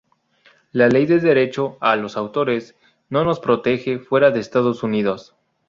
La ley de derecho a los autores, no nos protege fuera de Estados Unidos.